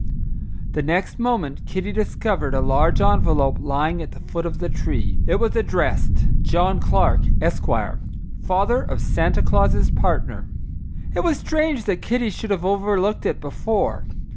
The next moment Kitty discovered a large envelope lying at the foot of the tree. It was addressed, John Clark, Esq., Father of Santa Claus's Partner. It was strange that Kitty should have overlooked it before.